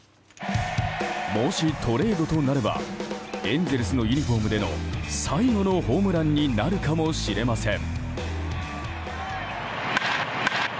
もしトレードとなればエンゼルスのユニホームでの最後のホームランになるかもしれません。